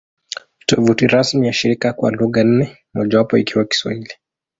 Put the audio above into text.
Tovuti rasmi ya shirika kwa lugha nne, mojawapo ikiwa Kiswahili